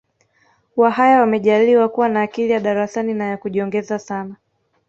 Wahaya wamejaaliwa kuwa na akili ya darasani na ya kujiongeza sana